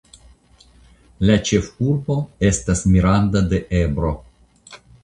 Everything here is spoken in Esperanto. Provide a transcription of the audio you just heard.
La ĉefurbo estas Miranda de Ebro.